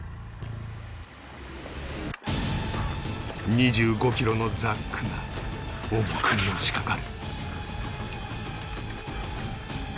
２５キロのザックが重くのしかかる